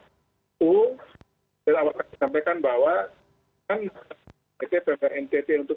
itu saya akan sampaikan bahwa npp untuk menangani